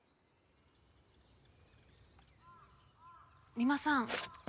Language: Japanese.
三馬さん。